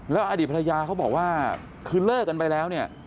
แล้วอดีตภรรยาเขาบอกว่าคือเลิกกันไปแล้วเนี่ย